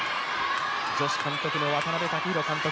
女子監督の渡辺武弘監督